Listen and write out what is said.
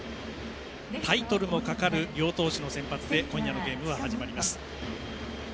タイトルもかかる両投手の先発で今夜のゲームは始まります。